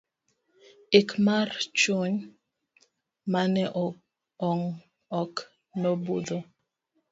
ik mar chuny mane owang' ok nobudho